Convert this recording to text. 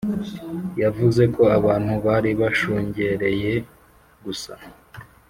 yavuze ko abantu bari bashungereyegusa